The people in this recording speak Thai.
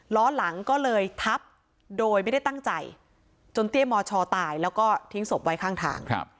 ล้อหลังก็เลยทับโดยไม่ได้ตั้งใจจนเตี้ยมชตายแล้วก็ทิ้งศพไว้ข้างทาง